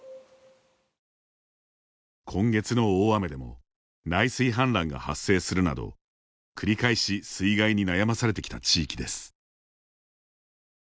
今月の大雨でも内水氾濫が発生するなど繰り返し水害に悩まされてきた地域です。